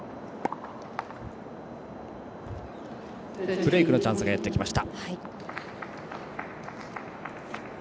ブレークのチャンスがやってきました。